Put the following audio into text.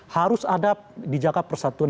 harus ada dijaga persatuan